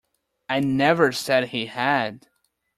I never said he had.